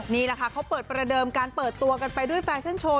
นี่แหละค่ะเขาเปิดประเดิมการเปิดตัวกันไปด้วยแฟชั่นโชว